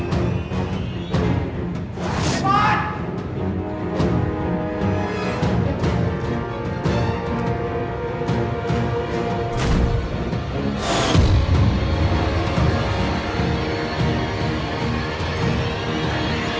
พี่ปุ๊ยถูกมีข้าตายแล้วหรือเปล่า